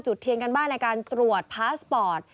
เทียนกันบ้างในการตรวจพาสปอร์ต